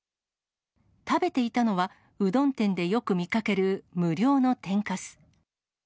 食べていたのは、うどん店でよく見かける無料の天かす。